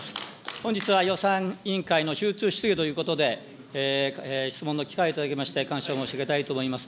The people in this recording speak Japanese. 本日は予算委員会の集中質疑ということで、質問の機会をいただきまして、感謝を申し上げたいと思います。